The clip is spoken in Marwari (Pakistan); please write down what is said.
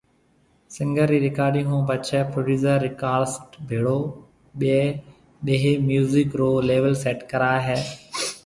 سنگر ري رڪارڊنگ ھونپڇي پروڊيوسر رڪارسٽ ڀيڙو ٻيۿي ميوزڪ رو ليول سيٽ ڪراوي ھيَََ